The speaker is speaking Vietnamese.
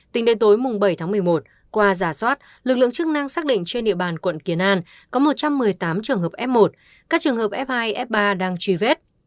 tính đến tối bảy tháng một mươi một qua giả soát lực lượng chức năng xác định trên địa bàn quận kiến an có một trăm một mươi tám trường hợp f một các trường hợp f hai f ba đang truy vết